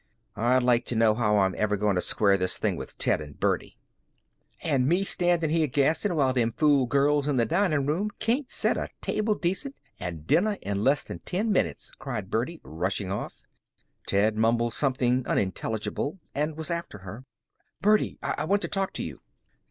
I'd like to know how I'm ever going to square this thing with Ted and Birdie." "An' me standin' here gassin' while them fool girls in the dinin' room can't set a table decent, and dinner in less than ten minutes," cried Birdie, rushing off. Ted mumbled something unintelligible and was after her. "Birdie! I want to talk to you."